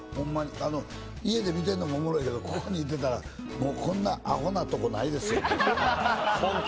家で見てるのもおもろいけどここにいてたらこんなアホなところないですよ。